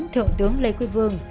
thượng tướng lê quy vương